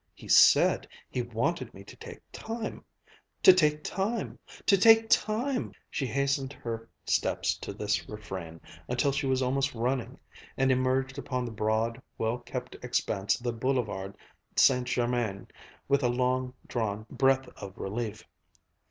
He said he wanted me to take time to take time to take time ..." She hastened her steps to this refrain, until she was almost running; and emerged upon the broad, well kept expanse of the Boulevard St. Germain with a long drawn breath of relief.